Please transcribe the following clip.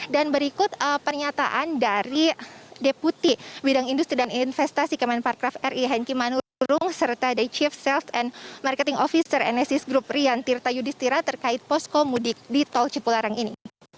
dan berikut pernyataan dari deputi bidang industri dan investasi kemenparkraf ri henky manurung serta dari chief sales and marketing officer nsc group rian tirta yudistira terkait poskomudik di tol cipularang ini